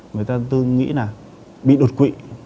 người ta tư nghĩ là bị đột quỵ